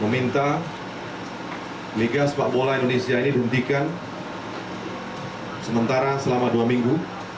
meminta liga sepak bola indonesia ini dihentikan sementara selama dua minggu